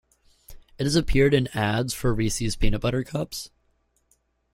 It has appeared in ads for Reese's Peanut Butter Cups.